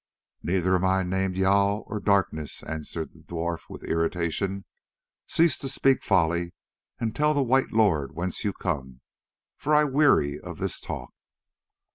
"Neither am I named Jâl or Darkness," answered the dwarf with irritation; "cease to speak folly, and tell the White Lord whence you come, for I weary of this talk."